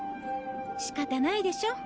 仕方ないでしょ。